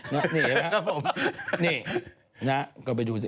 มั่นเนี่ยครับล่ะนี่นะฮะกลัวไปดูสิ